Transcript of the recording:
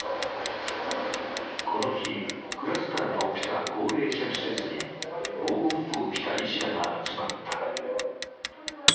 この日、クラスターが起きた高齢者施設に防護服を着た医師らが集まった。